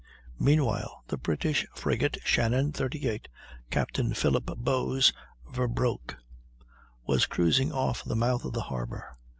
Meanwhile the British frigate Shannon, 38, Captain Philip Bowes Vere Broke, was cruising off the mouth of the harbor.